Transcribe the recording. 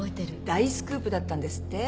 大スクープだったんですって？